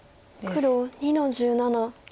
黒２の十七ハネ。